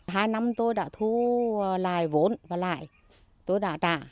hai năm tôi đã thu lại vốn và lại tôi đã trả